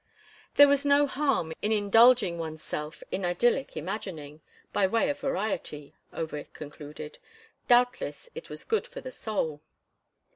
There was no harm in indulging one's self in idyllic imagining, by way of variety, Over concluded; doubtless it was good for the soul.